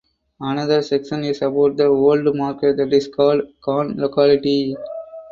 Another section is about the old market that is called (khan) locally.